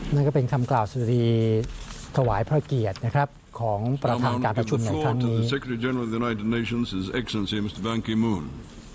นั่นก็เป็นคำกล่าวสุรีถวายพระเกียรตินะครับของประธานการประชุมของท่าน